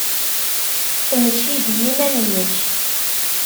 Mmekti-d i yiman-nnek.